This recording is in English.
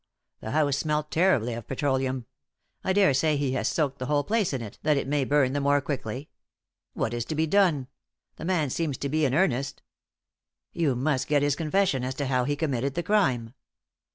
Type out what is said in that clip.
The house smelt terribly of petroleum; I daresay he has soaked the whole place in it, that it may burn the more quickly. What is to be done? The man seems to be in earnest." "You must get his confession as to how he committed the crime."